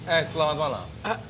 eh selamat malam